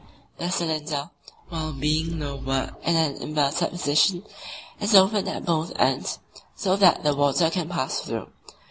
The cylinder, while being lowered in an inverted position, is open at both ends, so that the water can pass through.